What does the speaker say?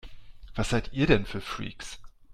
Was seid ihr denn für Freaks?